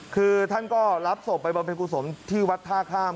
คือท่านก็รับศพไปบำเพ็ญกุศลที่วัดท่าข้าม